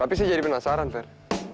tapi saya jadi penasaran fer